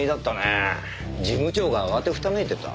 事務長が慌てふためいてた。